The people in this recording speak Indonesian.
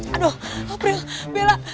aduh april bella